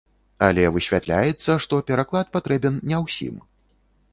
Але высвятляецца, што пераклад патрэбен не ўсім.